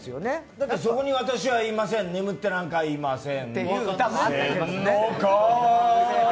そこに私はいません、眠ってなんかいません。